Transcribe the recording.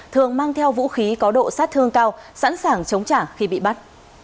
thường mang theo vũ khí có độ sát thương cao sẵn sàng chống trả khi bị bắt